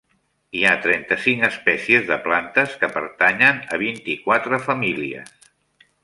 Hi ha trenta-cinc espècies de plantes que pertanyen a vint-i-quatre famílies.